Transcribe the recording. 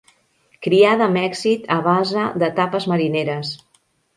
Criada amb èxit a base de tapes marineres.